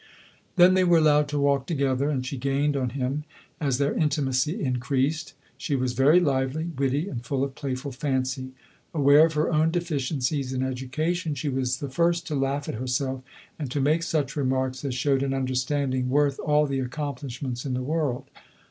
Then they were allowed to walk together, and she gained on him, as their intimacy increased. She was very lively, witty, and full of playful fancy. Aware of her own deficiencies in educa tion, she was the first to laugh at herself, and to make such remarks as showed an understand ing worth all the accomplishments in the world.